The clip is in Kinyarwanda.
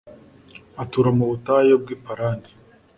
Atura mu butayu bw’i Parani